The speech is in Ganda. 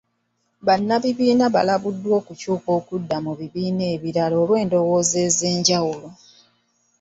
Bannakibiina baalabulwa ku kukyuka okudda mu bibiina ebirala olw'endowooza ez'enjawulo.